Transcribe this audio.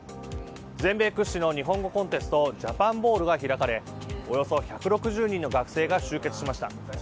全米屈指の日本語コンテストジャパンボウルが開かれおよそ１６０人の学生が集結しました。